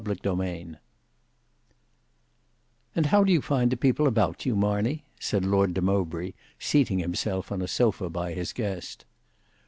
Book 2 Chapter 12 "And how do you find the people about you, Marney?" said Lord de Mowbray seating himself on a sofa by his guest.